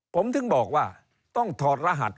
ผมถึงบอกว่าต้องถอดรหัส